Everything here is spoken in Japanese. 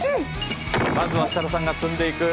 まずは設楽さんが積んでいく。